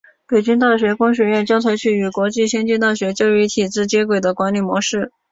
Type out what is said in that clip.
北京大学工学院将采取与国际先进大学教育体制接轨的管理模式。